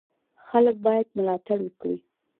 خلک باید ملاتړ وکړي.